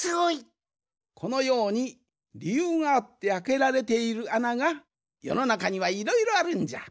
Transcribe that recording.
このようにりゆうがあってあけられているあながよのなかにはいろいろあるんじゃ。